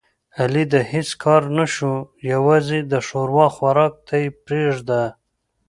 علي د هېڅ کار نشو یووازې د ښوروا خوراک ته یې پرېږده.